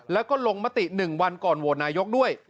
แล้วก็ลงมติ๑วันก่อนโหวตนายกด้วย